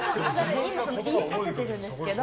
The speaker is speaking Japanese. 今、家を建ててるんですけど。